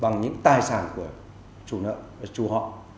những tài sản của chủ họ